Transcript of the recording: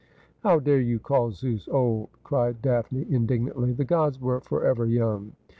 ' How dare you call Zeus old ?' cried Daphne indignantly. ' The gods were for ever young.'